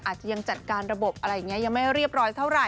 อาจจะยังจัดการระบบอะไรอย่างนี้ยังไม่เรียบร้อยเท่าไห